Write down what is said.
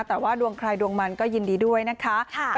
แต่ว่าดวงใครดวงมันก็ยินดีด้วยนะคะ